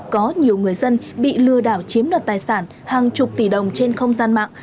có nhiều người dân bị lừa đảo chiếm đoạt tài sản hàng chục tỷ đồng trên không gian mạng